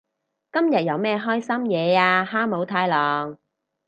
今日有咩開心嘢啊哈姆太郎？